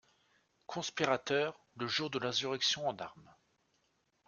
Conspirateurs, le jour de l'insurrection en armes.